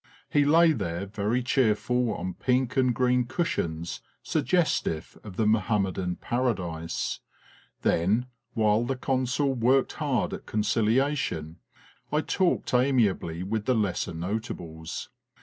He lay there very cheerful on pink and green cushions sug gestive of the Mahommedan Paradise. Then, while the Consul worked hard at conciliation, I talked amiably with the lesser notables.